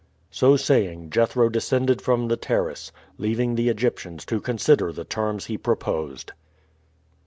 So saying Jethro descended from the terrace, leaving the Egyptians to consider the terms he proposed.